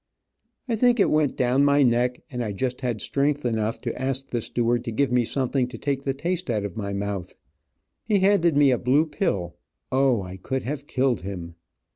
I think it went down my neck, and I just had strength enough to ask the steward to give me something to take the taste out of my mouth. He handed me a blue pill. O, I could have killed him.